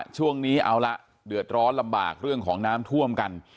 ช่วงนี้เอาละเดือดร้อนลำบากเรื่องของน้ำท่วมกัน